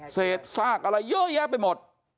เศษซากอะไรเยอะแยะไปหมด